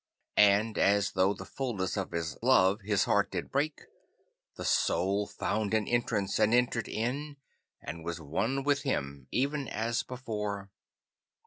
And as through the fulness of his love his heart did break, the Soul found an entrance and entered in, and was one with him even as before.